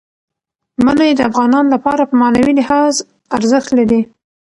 منی د افغانانو لپاره په معنوي لحاظ ارزښت لري.